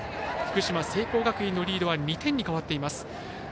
福島・聖光学院のリードは２点に変わっています。